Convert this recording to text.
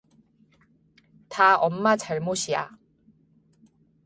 다 엄마 잘못이야.